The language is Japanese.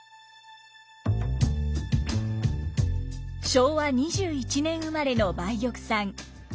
昭和２１年生まれの梅玉さん。